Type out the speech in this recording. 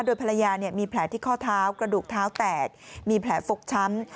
โดยภรรยามีแผลที่ข้อเท้ากระดูกเท้าแตกมีแผลฟกช้ำ